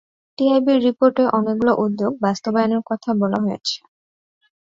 টিআইবির রিপোর্টে অনেকগুলো উদ্যোগ বাস্তবায়নের কথা বলা হয়েছে।